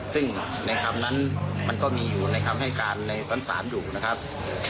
ซึ่งในคำนั้นมันก็มีอยู่ในคำให้การในชั้นศาลอยู่นะครับ